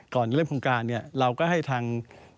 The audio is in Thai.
ก่อนเริ่มโครงการเนี่ยเราก็ให้ทาง